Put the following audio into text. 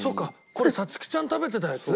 これ五月ちゃん食べてたやつ？